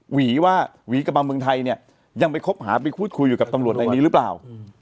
หวีว่าหวีกลับมาเมืองไทยเนี่ยยังไปคบหาไปพูดคุยอยู่กับตำรวจในนี้หรือเปล่า